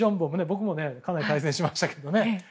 僕もかなり対戦しましたけどね。